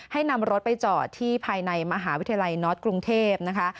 ให้นำรถไปจอดที่ภายในมหาวิทยาลัยน็อตกรุงเทพนะคะ